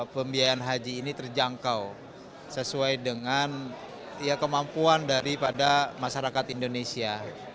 pembiayaan haji ini terjangkau sesuai dengan kemampuan daripada masyarakat indonesia